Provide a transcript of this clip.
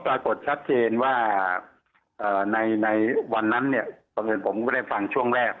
ก็ปรากฏชัดเจนว่าในวันนั้นเนี่ยตอนนี้ผมได้ฟังช่วงแรก